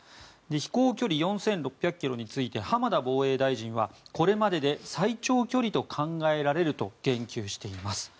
飛行距離４６００ｋｍについて浜田防衛大臣はこれまでで最長距離と考えられると言及しています。